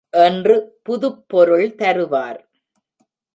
என்று புதுப்பொருள் தருவார்.